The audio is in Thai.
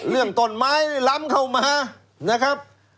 เรื่องต้นไม้ล้ำเข้ามา